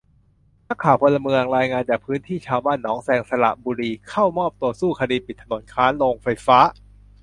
นักข่าวพลเมืองรายงานจากพื้นที่ ชาวบ้านหนองแซง สระบุรี เข้ามอบตัว สู้คดีปิดถนนค้านโรงไฟฟ้า